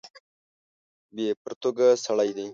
بې پرتوګه سړی دی.